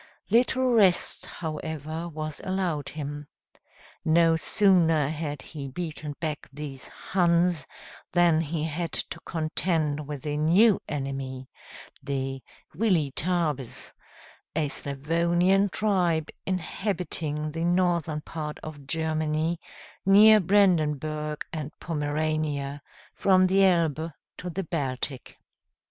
Little rest, however, was allowed him. No sooner had he beaten back these Huns, than he had to contend with a new enemy, the Weletabes, a Slavonian tribe inhabiting the northern part of Germany, near Brandenburg and Pomerania, from the Elbe to the Baltic.